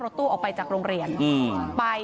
เชิงชู้สาวกับผอโรงเรียนคนนี้